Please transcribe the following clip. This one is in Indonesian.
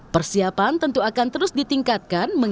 persiapan tentu akan terus ditingkatkan